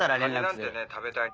カニなんてね食べたい。